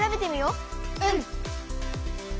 うん。